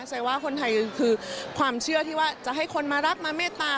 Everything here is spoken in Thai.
แสดงว่าคนไทยคือความเชื่อที่ว่าจะให้คนมารักมาเมตตา